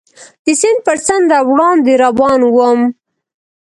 د سیند پر څنډه وړاندې روان ووم.